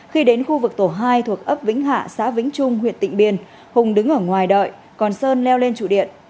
khi đến khu vực tổ hai thuộc ấp vĩnh hạ xã vĩnh trung huyện tịnh biên hùng đứng ở ngoài đợi còn sơn leo lên trụ điện